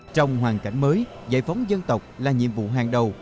trong hoàn cảnh mới giải phóng dân tộc là nhiệm vụ hàng đầu